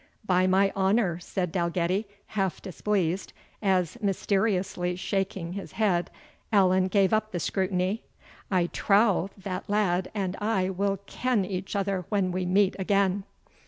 "By my honour," said Dalgetty, half displeased, as, mysteriously shaking his head, Allan gave up the scrutiny "I trow that lad and I will ken each other when we meet again."